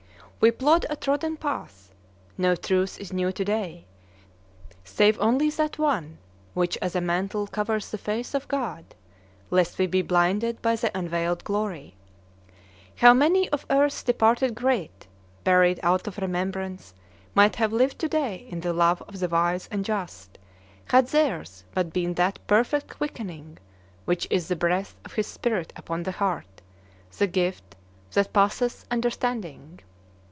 We plod a trodden path. No truth is new to day, save only that one which as a mantle covers the face of God, lest we be blinded by the unveiled glory. How many of earth's departed great, buried out of remembrance, might have lived to day in the love of the wise and just, had theirs but been that perfect quickening which is the breath of his Spirit upon the heart, the gift that "passeth understanding!"